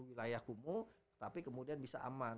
wilayah kumuh tapi kemudian bisa aman